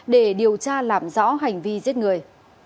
để điều tra làm rõ hành vi giết người